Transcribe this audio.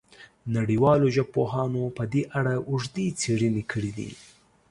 نړیوالو ژبپوهانو په دې اړه اوږدې څېړنې کړې دي.